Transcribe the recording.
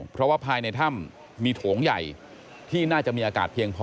เพราะว่าภายในถ้ำมีโถงใหญ่ที่น่าจะมีอากาศเพียงพอ